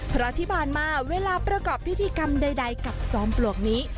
เพราะที่ผ่านมาเวลาประกอบพิธีกรรมใดกับจอมปลวกนี้